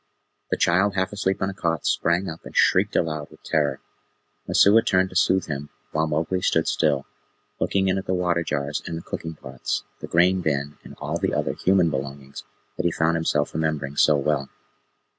The child half asleep on a cot sprang up and shrieked aloud with terror. Messua turned to soothe him, while Mowgli stood still, looking in at the water jars and the cooking pots, the grain bin, and all the other human belongings that he found himself remembering so well.